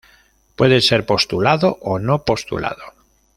Puede ser postulado o no postulado.